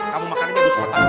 kamu makan ini dua kotak